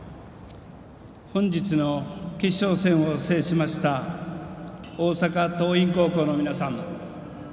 本日の決勝戦を制しました大阪桐蔭高校の皆さん